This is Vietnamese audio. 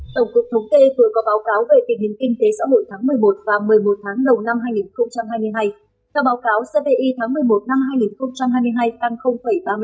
tổng cục thống kê vừa có báo cáo về kỷ niệm kinh tế xã hội tháng một mươi một và một mươi một tháng đầu năm hai nghìn hai mươi hai